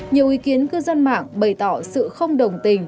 nhiều ý kiến cư dân mạng bày tỏ sự không đồng tình